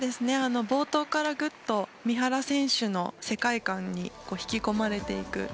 冒頭からぐっと三原選手の世界観に引き込まれていく。